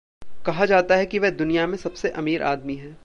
कहा जाता है कि वह दुनिया में सबसे अमीर आदमी है।